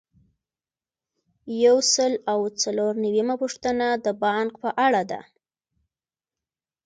یو سل او څلور نوي یمه پوښتنه د بانک په اړه ده.